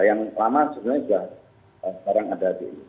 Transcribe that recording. yang lama sebenarnya sekarang sudah ada di indonesia